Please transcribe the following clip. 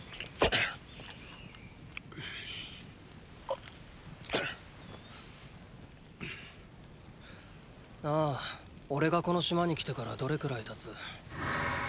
あっ⁉なぁおれがこの島に来てからどれくらい経つ？